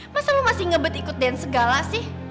masa lo masih ngebet ikut dan segala sih